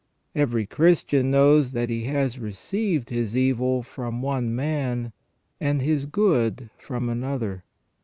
Every Christian knows that he has received his evil from one man and his good from another.